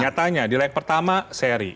nyatanya di lag pertama seri